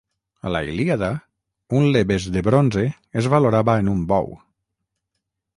A la Ilíada, un lebes de bronze es valorava en un bou.